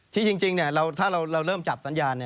จริงถ้าเราเริ่มจับสัญญาณ